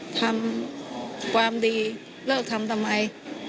ทำความดีเลิกทำทำไม